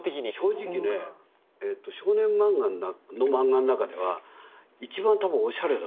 正直ね少年漫画の漫画の中では一番多分おしゃれだったと思う。